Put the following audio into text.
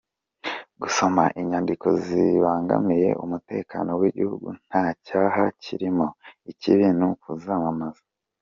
Gusoma inyandiko zibangamiye umutekano w’igihugu nta cyaha kirimo, ikibi ni ukuzamamaza